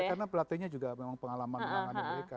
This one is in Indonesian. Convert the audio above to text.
iya karena pelatihnya juga memang pengalaman mereka